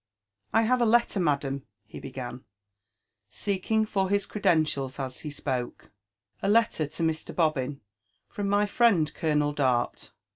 " I have a letter, madam," he began, seeking for his credentials as ho spoke, — "a letter to Mr. Bobbin from my friend Colonel Dart.